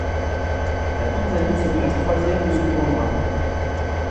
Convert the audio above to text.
La Tanzanie se classe troisième de ce tournoi.